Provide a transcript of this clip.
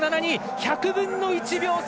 １００分の１秒差。